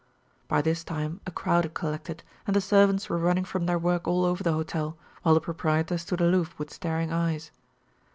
By this time a crowd had collected, and the servants were running from their work all over the hotel, while the proprietor stood aloof with staring eyes.